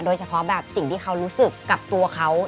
เฉพาะแบบสิ่งที่เขารู้สึกกับตัวเขา